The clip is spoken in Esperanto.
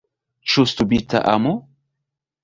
Ĉu subita amo?